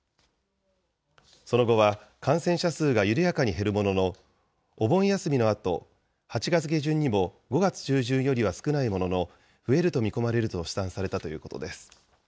その後は感染者数が緩やかに減るものの、お盆休みのあと８月下旬にも５月中旬よりは少ないものの、増えると見込まれると試算されたということです。